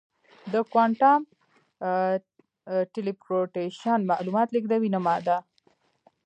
د کوانټم ټیلیپورټیشن معلومات لېږدوي نه ماده.